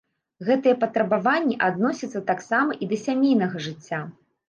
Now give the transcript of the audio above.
Гэтыя патрабаванні адносяцца таксама і да сямейнага жыцця.